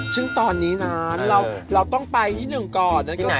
ซึ่งตอนนี้นะเราต้องไปที่หนึ่งก่อน